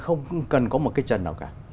không cần có một cái trần nào cả